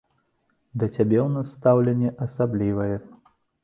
Да цябе ў нас стаўленне асаблівае.